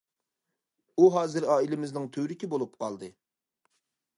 ئۇ ھازىر ئائىلىمىزنىڭ تۈۋرۈكى بولۇپ قالدى.